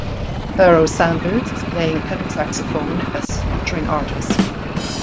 Pharoah Sanders is playing tenor saxophone as featuring artist.